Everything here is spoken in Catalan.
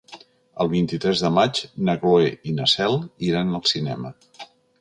El vint-i-tres de maig na Cloè i na Cel iran al cinema.